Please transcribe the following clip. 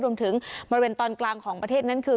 บริเวณตอนกลางของประเทศนั้นคือ